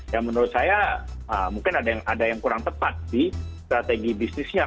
ya menurut saya mungkin ada yang kurang tepat di strategi bisnisnya